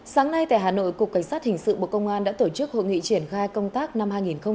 sáng nay tại hà nội cục cảnh sát hình sự bộ công an đã tổ chức hội nghị triển khai công tác năm hai nghìn hai mươi bốn